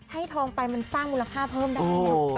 ทองไปมันสร้างมูลค่าเพิ่มได้